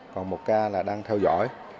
còn một ca là đang theo dõi